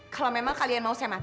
kalau memang kalian mau saya mati